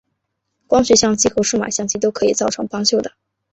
光学相机和数码相机都可以造成旁轴的。